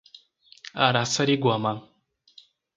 Araçariguama